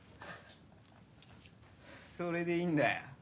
それでいいんだよ。